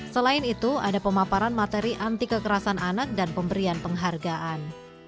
selain itu ada pemaparan materi anti kekerasan anak dan pemberian penghargaan